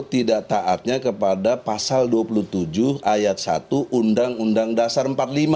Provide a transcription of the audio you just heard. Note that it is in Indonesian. tidak taatnya kepada pasal dua puluh tujuh ayat satu undang undang dasar empat puluh lima